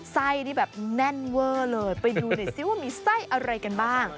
ไส้นี่แบบแน่นเวอร์เลยไปดูหน่อยซิว่ามีไส้อะไรกันบ้าง